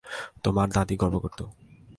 তোমার দাদী গর্ব করতো।